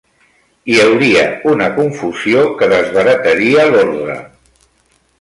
Hi hauria una confusió que desbarataria l'ordre